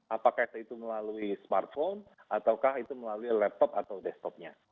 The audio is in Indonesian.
apakah itu melalui smartphone ataukah itu melalui laptop atau desktopnya